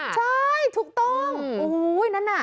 ใช่ถูกต้อง